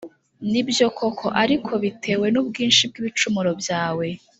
Ni byo koko, ariko bitewe n’ubwinshi bw’ibicumuro byawe,